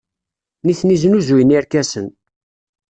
Nitni snuzuyen irkasen.